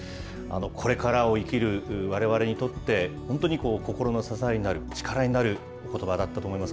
これからを生きるわれわれにとって、本当に心の支えになる、力になることばだったと思います。